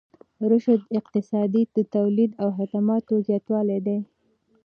رشد اقتصادي د تولید او خدماتو زیاتوالی دی.